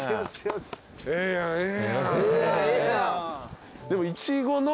ええやんええやん。